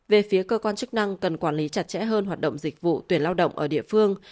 về phía cơ quan chức năng cần quản lý chặt chẽ hơn hoạt động dịch vụ tuyển lao động ở địa phương